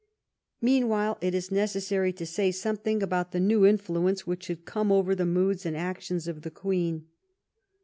Meanwhile it is necessary to say something about the new influence which had come over the moods and actions of the Queen.